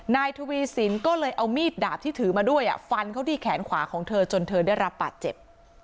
นายทวีสินก็เลยเอามีดดาบที่ถือมาด้วยฟันเขาที่แขนขวาของเธอจนเธอได้รับบาดเจ็บ